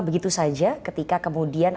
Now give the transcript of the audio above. begitu saja ketika kemudian